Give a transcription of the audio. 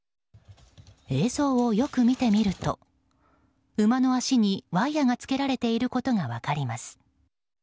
映像をよく見てみると、馬の脚にワイヤがつけられていることが分かります。